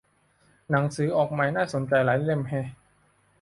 หนังสือออกใหม่น่าสนใจหลายเล่มแฮะ